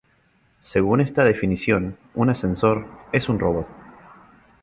Según esta definición, un ascensor es un robot.